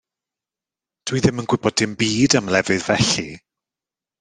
Dwy ddim yn gwybod dim byd am lefydd felly.